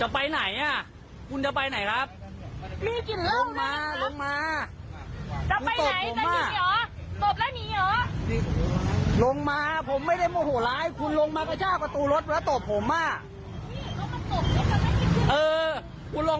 ผู้ใหญ่มากพระคุณ